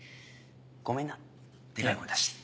ごめんなデカい声出して。